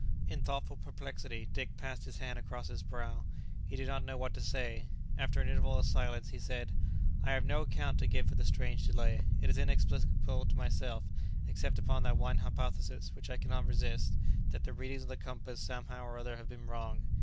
In thoughtful perplexity, Dick passed his hand across his brow. He did not know what to say. After an interval of silence, he said, "I have no account to give for the strange delay. It is inexplicable to myself, except upon that one hypothesis, which I cannot resist, that the readings of the compass, somehow or other, have been wrong."